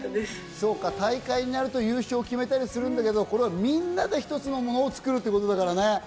そうか大会になると優勝を決めたりするんだけどこれはみんなでひとつのものを作るってことだからね。